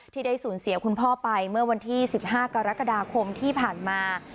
ที่ได้สูญเสียคุณพ่อไปเมื่อวันที่๑๕กรกฎาคมที่ผ่านมา